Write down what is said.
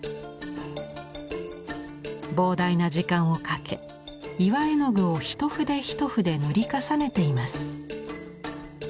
膨大な時間をかけ岩絵の具を一筆一筆塗り重ねています。